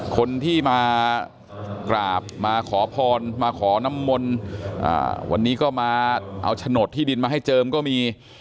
คนที่มากราบมาขอพรมาขอน้ำมนต์วันนี้ก็มาเอาโฉนดที่ดินมาให้เจิมก็มี